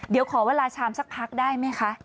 เดี๋ยวขอเวลาชามสักพักได้ไหมคะ